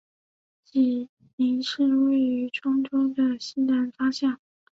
济宁市位于兖州的西南方向。